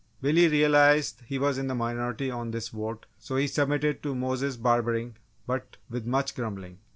Billy realised he was in the minority on this vote so he submitted to Mose's barbering but with much grumbling.